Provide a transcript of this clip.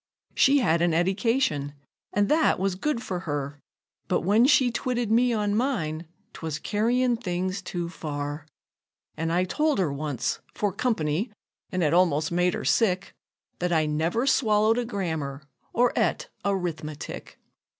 She had an edication, an' that was good for her; But when she twitted me on mine, 'twas carryin' things too far; An' I told her once, 'fore company (an' it almost made her sick), That I never swallowed a grammar, or 'et a 'rithmetic.